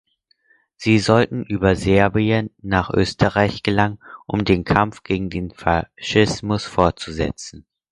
Sie sollten über Serbien nach Österreich gelangen um den Kampf gegen den Faschismus fortzusetzen.